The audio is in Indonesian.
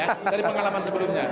dari pengalaman sebelumnya